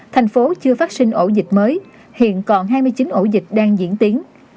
thành phố chưa phát sinh ổ dịch mới hiện còn hai mươi chín ổ dịch đang diễn tiến